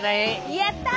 やった！